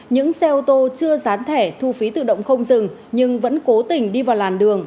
những xe ô tô chưa dán thẻ thu phí tự động không dừng nhưng vẫn cố tình đi vào làn đường